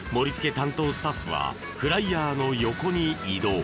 担当スタッフはフライヤーの横に移動。